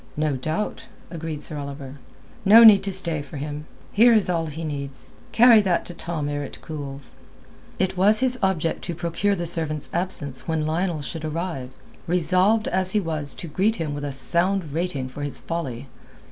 "No doubt," agreed Sir Oliver. "No need to stay for him. Here is all he needs. Carry that to Tom ere it cools." It was his object to procure the servant's absence when Lionel should arrive, resolved as he was to greet him with a sound rating for his folly.